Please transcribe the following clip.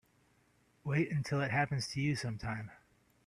Wait until it happens to you sometime.